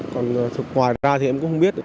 còn ngoài ra thì em cũng không biết